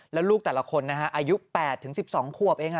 แล้วลูกแต่ละคนนะฮะอายุ๘๑๒ขวบเอง